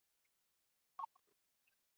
台湾雀稗为禾本科雀稗属下的一个种。